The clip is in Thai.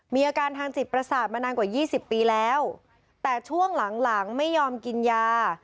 มีอาการทางจิตประสาทมานานกว่า๒๐ปีแล้วแต่ช่วงหลังหลังไม่ยอมกินยา